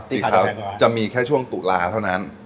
สีขาวจะมีแค่ช่วงตุลาเท่านั้น